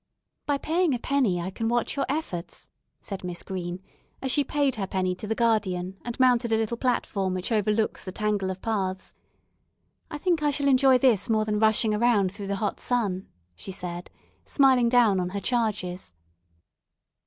"By paying a penny I can watch your efforts," said Miss Green, as she paid her penny to the guardian, and mounted a little platform which overlooks the tangle of paths. "I think I shall enjoy this more than rushing around through the hot sun," she said, smiling down on her charges.